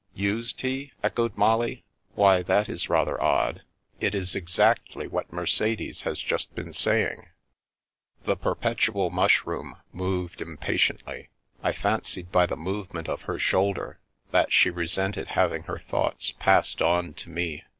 "Used he?" echoed Molly. "Why, that is rather odd. It is exactly what Mercedes has just been saying." The Perpetual Mushroom moved impatiently. I fancied by the movement of her shoulder that she resented having her thoughts passed on to me.